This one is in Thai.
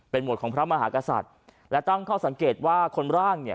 หมวดของพระมหากษัตริย์และตั้งข้อสังเกตว่าคนร่างเนี่ย